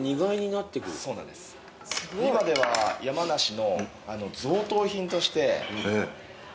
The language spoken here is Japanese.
今では山梨の贈答品として煮貝を。